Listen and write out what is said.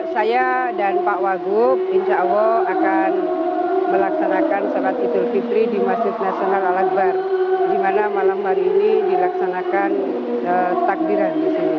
saya dan pak wagub insya allah akan melaksanakan sholat idul fitri di masjid nasional al akbar di mana malam hari ini dilaksanakan takbiran